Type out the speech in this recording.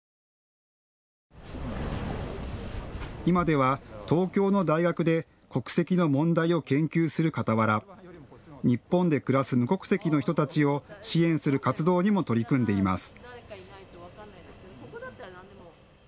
今では東京の大学で国籍の問題を研究するかたわら、日本で暮らす無国籍の人たちを支援する活動にも取り組んでいます。